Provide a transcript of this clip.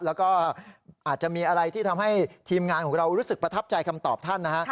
แล้วก็อาจจะมีอะไรที่ทำให้ทีมงานของเรารู้สึกประทับใจคำตอบท่านนะฮะ